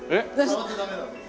触っちゃダメなんです。